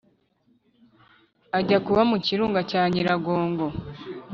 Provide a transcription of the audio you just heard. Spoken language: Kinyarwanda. ajya kuba mu kirunga cya Nyiragongo